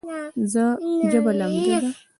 ژبه لمده ده